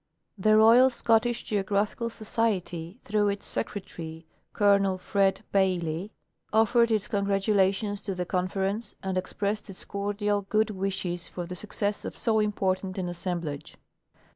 The Royal Scottish Geographical Society, through its Secre tary Colonel Fred. Bailey, offered its congratulations to the Con ference and expressed its cordial good wishes for the success of so important an assemblage.